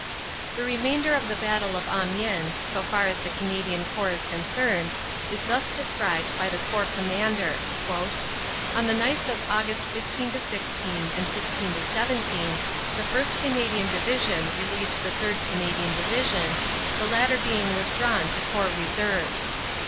The remainder of the Battle of Amiens, so far as the Cana dian Corps is concerned, is thus described by the Corps Com mander: "On the nights of Aug. 15 16 and 16 17 the 1st. Canadian Division relieved the 3rd. Canadian Division, the latter being withdrawn to Corps Reserve.